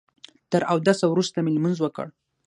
تر اوداسه وروسته مې لمونځ وکړ.